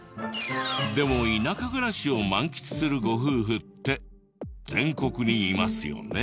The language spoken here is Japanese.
でも田舎暮らしを満喫するご夫婦って全国にいますよね。